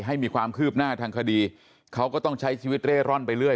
ให้มีความคืบหน้าทางคดีเขาก็ต้องใช้ชีวิตเร่ร่อนไปเรื่อย